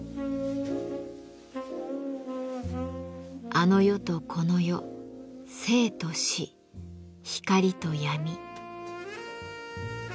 あの世とこの世生と死光と闇。